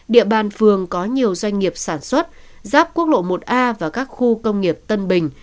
địa bàn phường có nhiều doanh nghiệp sản xuất giáp quốc lộ một a và các khu công nghiệp tân bình